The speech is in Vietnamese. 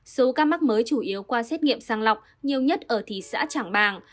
số ca mắc mới chủ yếu qua xét nghiệm sàng lọc nhiều nhất ở thị xã trảng bàng